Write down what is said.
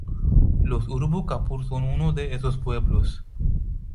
Los Urubú-Kaapor son uno de esos pueblos.